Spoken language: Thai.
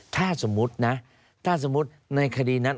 ถ้าสมมุตินะถ้าสมมุติในคดีนั้น